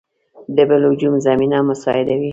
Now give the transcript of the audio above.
د بل هجوم زمینه مساعد وي.